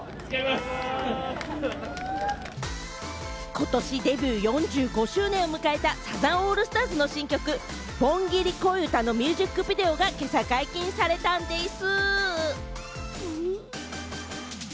ことしデビュー４５周年を迎えたサザンオールスターズの新曲『盆ギリ恋歌』のミュージックビデオが今朝解禁されたんでぃす。